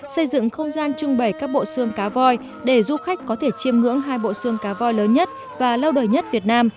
xây dựng không gian trưng bày các bộ xương cá voi để du khách có thể chiêm ngưỡng hai bộ xương cá voi lớn nhất và lâu đời nhất việt nam